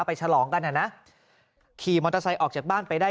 ฉลองกันนะขี่มอเตอร์ไซค์ออกจากบ้านไปได้